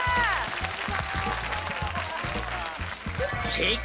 正解！